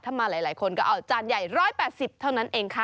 ถ้ามาหลายคนก็เอาจานใหญ่๑๘๐เท่านั้นเองค่ะ